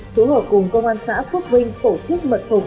chủ hội cùng công an xã phúc vinh tổ chức mật phục